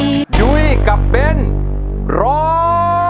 ชุ้ยกับเบ้นร้อง